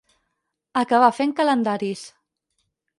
Acabar fent calendaris.